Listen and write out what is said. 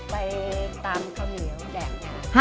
ไปตำข้าวเหนียวแดง